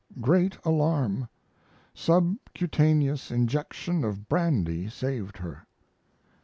Great alarm. Subcutaneous injection of brandy saved her.